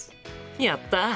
やった！